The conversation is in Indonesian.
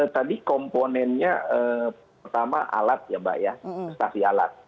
tadi komponennya pertama alat ya mbak ya stasi alat